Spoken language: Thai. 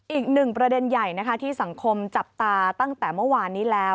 อีกหนึ่งประเด็นใหญ่นะคะที่สังคมจับตาตั้งแต่เมื่อวานนี้แล้ว